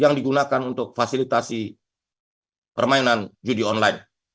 yang digunakan untuk mempermudahkan permainkan judi online